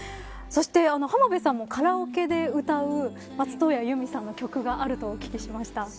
そして浜辺さんもカラオケで歌う松任谷由実さんの曲があるとお聞きしました。